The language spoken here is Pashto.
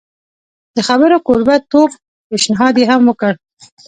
د خبرو کوربه توب پېشنهاد یې هم وکړ.